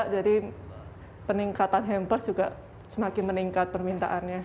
jadi peningkatan hampers juga semakin meningkat permintaannya